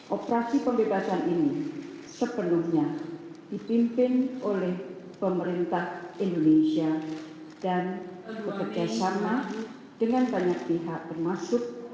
operasi pembebasan ini sepenuhnya dipimpin oleh pemerintah indonesia dan bekerjasama dengan banyak pihak termasuk